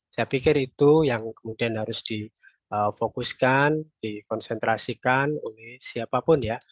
saya pikir itu yang kemudian harus difokuskan dikonsentrasikan oleh siapapun ya